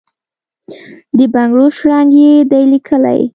د بنګړو شرنګ یې دی لېکلی،